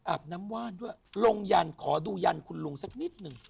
น้ำว่านด้วยลงยันขอดูยันคุณลุงสักนิดหนึ่ง